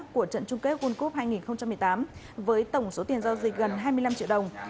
của trận chung kết world cup hai nghìn một mươi tám với tổng số tiền giao dịch gần hai mươi năm triệu đồng